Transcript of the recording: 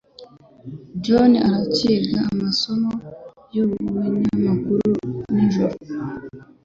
John aracyiga amasomo yubunyamakuru nijoro.